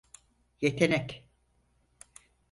Yetenek…